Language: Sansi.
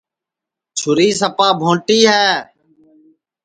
چھُری سپا بھونٚٹی ہے